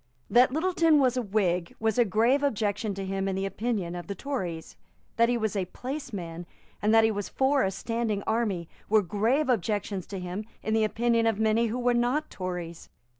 That Littleton was a Whig was a grave objection to him in the opinion of the Tories. That he was a placeman, and that he was for a standing army, were grave objections to him in the opinion of many who were not Tories.